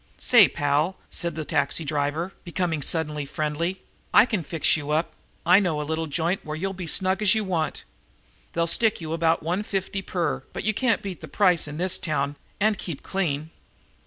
"Say, pal," said the taxi driver, becoming suddenly friendly, "I can fix you up. I know a neat little joint where you'll be as snug as you want. They'll stick you about one fifty per, but you can't beat that price in this town and keep clean."